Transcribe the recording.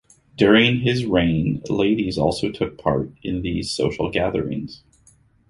During his reign, ladies also took part in these social gatherings.